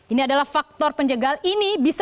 ini adalah faktor penjagaan ini